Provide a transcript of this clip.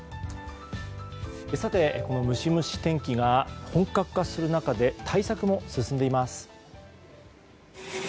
さて、ムシムシ天気が本格化する中で対策も進んでいます。